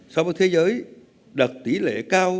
sau một thế giới đặt tỷ lệ cao